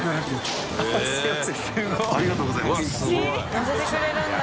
乗せてくれるんだ。